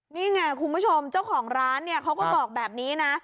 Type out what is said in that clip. นี่ไงคุณผู้ชมเจ้าของร้านเนี่ยเขาก็บอกแบบนี้นะ